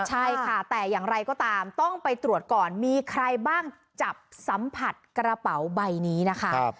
ใช่ค่ะแต่อย่างไรก็ตามต้องไปตรวจก่อนมีใครบ้างจับสัมผัสกระเป๋าใบนี้นะคะ